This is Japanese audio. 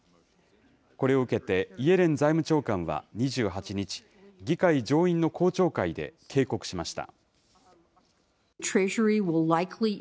これを受けて、イエレン財務長官は２８日、議会上院の公聴会で警告しました。